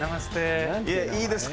いいですか？